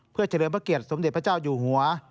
เพื่อเฉลิมพระเกียรติสมเด็จพระเจ้าอยู่หัว